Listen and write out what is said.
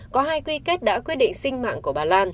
có hai quy kết đã quyết định sinh mạng của bà lan